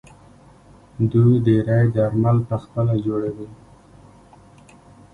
دوی ډیری درمل پخپله جوړوي.